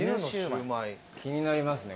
気になりますね